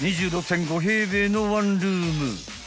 ［２６．５平米の１ルーム］